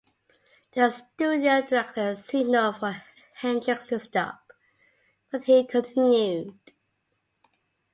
The studio director signalled for Hendrix to stop, but he continued.